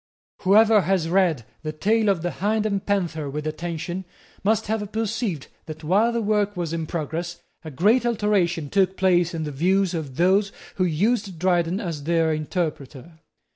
Whoever has read the tale of the Hind and Panther with attention must have perceived that, while that work was in progress, a great alteration took place in the views of those who used Dryden as their interpreter.